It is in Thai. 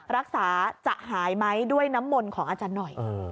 รักษาจะหายไหมด้วยน้ำมนต์ของอาจารย์หน่อย